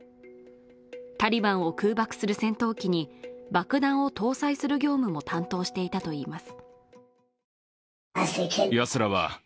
タリバンを空爆する戦闘機に爆弾を搭載する業務も担当していたといいます。